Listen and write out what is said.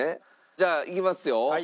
じゃあいきますよ？